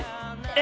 え！